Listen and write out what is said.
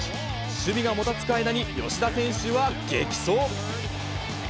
守備がもたつく間に、吉田選手は激走。